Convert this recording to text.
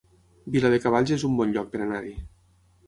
Viladecavalls es un bon lloc per anar-hi